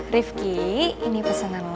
rifki ini pesenan lu